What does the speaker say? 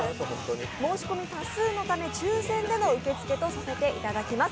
申し込み多数のため抽選での受け付けとさせていただきます。